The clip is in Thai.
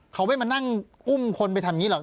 เขาไม่มานั่งอุ้มคนไปทำอย่างนี้หรอก